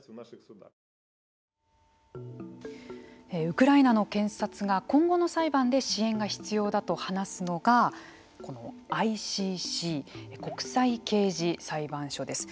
ウクライナの検察が今後の裁判で支援が必要だと話すのがこのＩＣＣ＝国際刑事裁判所です。